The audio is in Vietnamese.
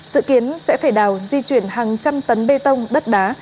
dự kiến sẽ phải đào di chuyển hàng trăm tấn bê tông đất đá